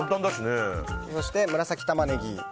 そして、紫タマネギ。